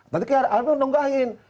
nanti kayak ada yang nonggahin